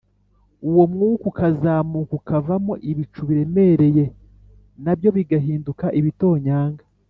Uwo mwuka ukazamuka ukavamo ibicu biremereye na byo bigahiduka ibitonyanga